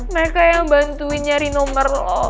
mereka yang bantuin nyari nomer lo